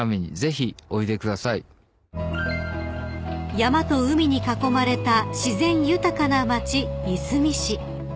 ［山と海に囲まれた自然豊かな町いすみ市］